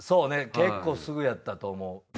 結構すぐやったと思う。